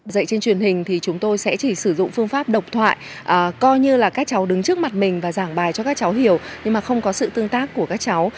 dạy trên truyền hình thì chúng tôi sẽ chỉ sử dụng phương pháp độc thoại coi như là các cháu đứng trước mặt mình và giảng bài cho các cháu hiểu nhưng mà không có sự tương tác của các cháu